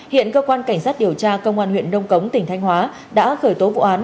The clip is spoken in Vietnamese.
hiện cơ quan cảnh sát điều tra công an huyện đông cống tỉnh thanh hóa đã khởi tố vụ án